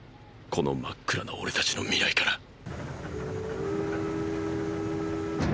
この真っ暗な俺たちの未来から。